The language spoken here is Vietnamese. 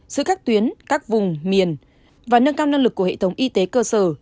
sự cắt tuyến các vùng miền và nâng cao năng lực của hệ thống y tế cơ sở